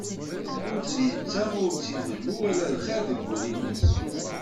Ur tt-yettaɣ, ur tt-ibellu, ala lxir deg wul-ines.